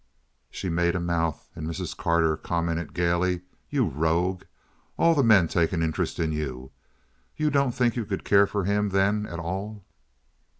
She made a mouth, and Mrs. Carter commented gaily: "You rogue! All the men take an interest in you. You don't think you could care for him, then, at all?"